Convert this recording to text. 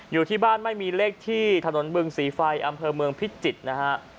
อยู่ที่บ้านไม่มีเลขที่ถนนบึงศรีไฟอำเภอเมืองพิจิตรนะฮะ